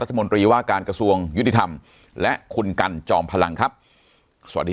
รัฐมนตรีว่าการกระทรวงยุติธรรมและคุณกันจอมพลังครับสวัสดี